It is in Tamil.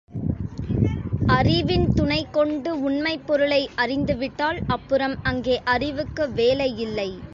அறிவின் துணைக் கொண்டு, உண்மைப் பொருளை அறிந்துவிட்டால், அப்புறம் அங்கே அறிவுக்கு வேலை இல்லை.